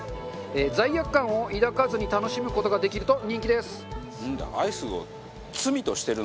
罪悪感を抱かずに楽しむ事ができると人気です。